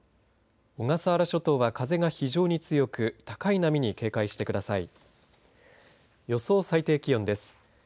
小笠原諸島は風が非常に強く高い波に警戒してください。